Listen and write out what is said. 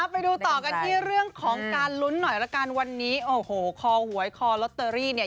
ไปดูต่อกันที่เรื่องของการลุ้นหน่อยละกันวันนี้โอ้โหคอหวยคอลอตเตอรี่เนี่ย